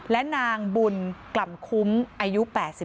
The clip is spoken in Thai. และนางบุญกล่ำคุ้มอายุ๘๒